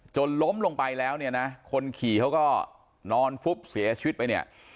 ล้มลงไปแล้วเนี่ยนะคนขี่เขาก็นอนฟุบเสียชีวิตไปเนี่ย